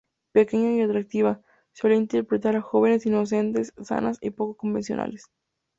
Pequeña y atractiva, solía interpretar a jóvenes inocentes, sanas y poco convencionales.